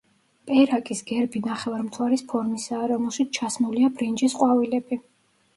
პერაკის გერბი ნახევარმთვარის ფორმისაა, რომელშიც ჩასმულია ბრინჯის ყვავილები.